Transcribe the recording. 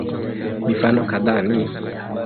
Mifano kadhaa ni